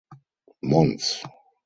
Mons.